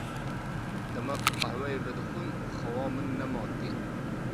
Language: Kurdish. Dema ku qehweyê vedixwim xewa min nema tê.